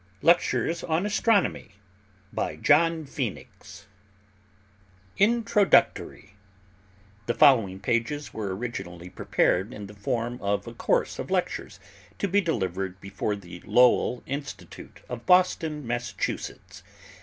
LECTURES ON ASTRONOMY BY JOHN PHOENIX Introductory The following pages were originally prepared in the form of a course of Lectures to be delivered before the Lowell Institute, of Boston, Mass.